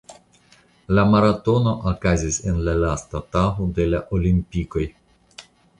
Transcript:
La maratono okazis en la lasta tago de la Olimpikoj.